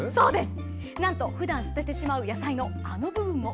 なんと、ふだん捨ててしまう野菜のあの部分も